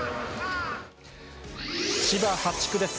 千葉８区です。